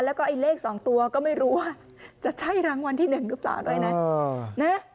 แล้วก็อันเลขสองตัวก็ไม่รู้ว่าจะใช่รางวัลที่๑นึงเปล่า